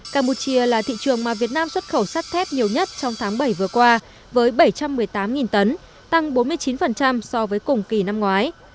campuchia là thị trường mà việt nam xuất khẩu sắt thép nhiều nhất trong tháng bảy vừa qua với bảy trăm một mươi tám tấn tăng bốn mươi chín so với cùng kỳ năm ngoái